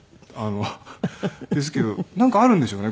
ですけどなんかあるんでしょうね